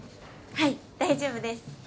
はい大丈夫です。